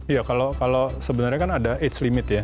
iya kalau sebenarnya kan ada age limit ya